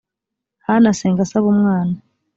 hana asenga asaba umwana